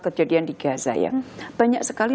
kejadian di gaza yang banyak sekali